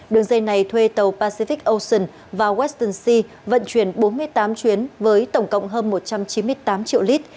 đường dây này thuê tàu pacific ocean vào western sea vận chuyển bốn mươi tám chuyến với tổng cộng hơn một trăm chín mươi tám triệu lít